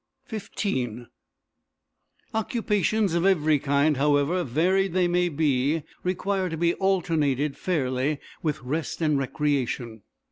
XV Occupations of every kind, however varied they may be, require to be alternated, fairly, with rest and recreation.